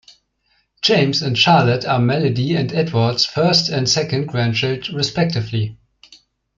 James and Charlotte are Melody and Edward's first and second grandchild, respectively.